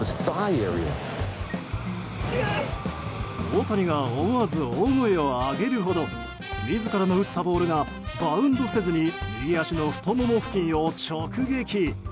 大谷が思わず大声を上げるほど自らの打ったボールがバウンドせずに右足の太もも付近を直撃。